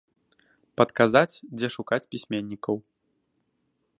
Падказаць, дзе шукаць пісьменнікаў.